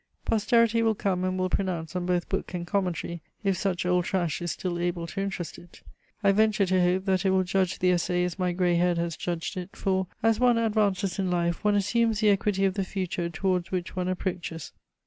Posterity will come and will pronounce on both book and commentary, if such old trash is still able to interest it. I venture to hope that it will judge the Essai as my grey head has judged it; for, as one advances in life, one assumes the equity of the future towards which one approaches.